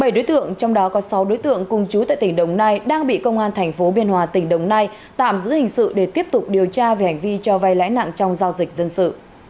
bảy đối tượng trong đó có sáu đối tượng cùng chú tại tỉnh đồng nai đang bị công an tp biên hòa tỉnh đồng nai tạm giữ hình sự để tiếp tục điều tra về hành vi cho vay lãi nặng trong giao dịch dân sự